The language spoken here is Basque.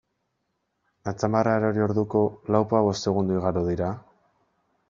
Atzamarra erori orduko, lauzpabost segundo igaro dira?